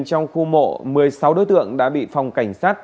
trong khu mộ một mươi sáu đối tượng đã bị phòng cảnh sát